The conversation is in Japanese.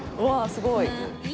うわあすごい！